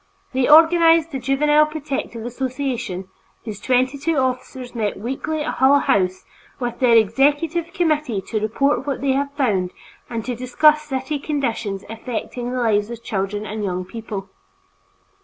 They organized the Juvenile Protective Association, whose twenty two officers meet weekly at Hull House with their executive committee to report what they have found and to discuss city conditions affecting the lives of children and young people.